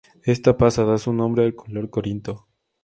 Esta pasa da su nombre al color corinto.